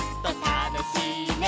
「たのしいね」